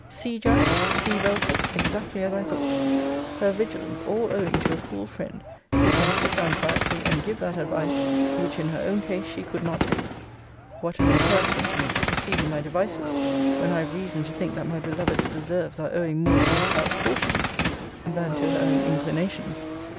See, Jack! see Belford! Exactly as I thought! Her vigilance all owing to a cool friend; who can sit down quietly, and give that advice, which in her own case she could not take. What an encouragement to me to proceed in my devices, when I have reason to think that my beloved's reserves are owing more to Miss Howe's cautions than to her own inclinations!